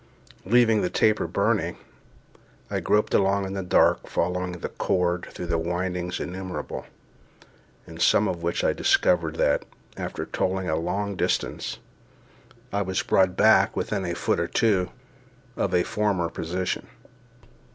Leaving the taper burning, I groped along in the dark, following the cord through windings innumerable, in some of which I discovered that, after toiling a long distance, I was brought back within a foot or two of a former position.